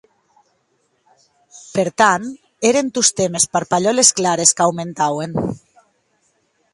Per tant, èren tostemp es parpalhòles clares es qu'aumentauen.